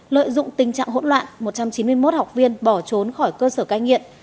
lợi dụng tình trạng hỗn loạn một trăm chín mươi một học viên bỏ trốn khỏi cơ sở cai nghiện